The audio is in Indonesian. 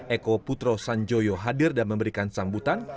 eko putro sanjoyo hadir dan memberikan sambutan